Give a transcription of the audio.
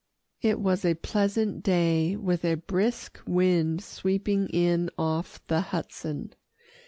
It was a pleasant day with a brisk wind sweeping in off the Hudson.